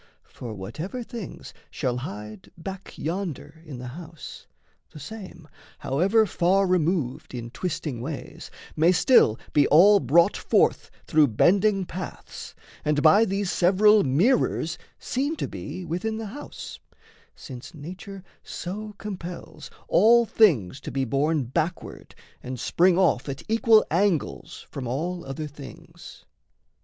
For whatever things Shall hide back yonder in the house, the same, However far removed in twisting ways, May still be all brought forth through bending paths And by these several mirrors seen to be Within the house, since nature so compels All things to be borne backward and spring off At equal angles from all other things.